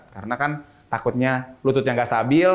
karena kan takutnya lututnya nggak stabil